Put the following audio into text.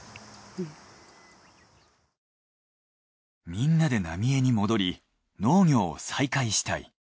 みんなで浪江に戻り農業を再開したい。